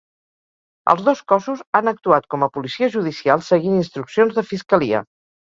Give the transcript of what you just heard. Els dos cossos han actuat com a policia judicial seguint instruccions de fiscalia.